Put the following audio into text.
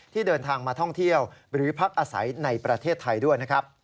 เดินทางมาท่องเที่ยวหรือพักอาศัยในประเทศไทยด้วยนะครับ